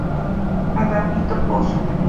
Agapito Pozo.